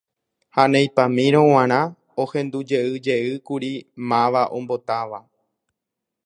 Ha neipamírõ g̃uarã ohendujeyjeýkuri máva ombotáva.